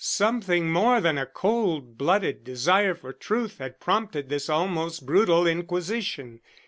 Something more than a cold blooded desire for truth had prompted this almost brutal inquisition.